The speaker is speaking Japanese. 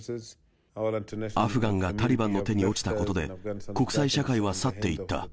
アフガンのタリバンの手に落ちたことで、国際社会は去っていった。